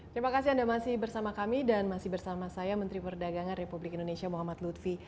terima kasih anda masih bersama kami dan masih bersama saya menteri perdagangan republik indonesia muhammad lutfi